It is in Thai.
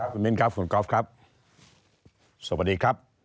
คุณมิ้นครับคุณก๊อฟครับสวัสดีครับ